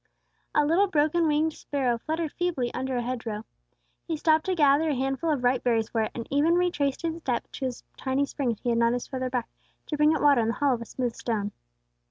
A little broken winged sparrow fluttered feebly under a hedgerow. He stopped to gather a handful of ripe berries for it, and even retraced his steps to a tiny spring he had noticed farther back, to bring it water in the hollow of a smooth stone.